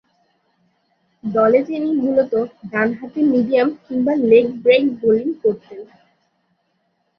দলে তিনি মূলতঃ ডানহাতি মিডিয়াম কিংবা লেগ ব্রেক বোলিং করতেন।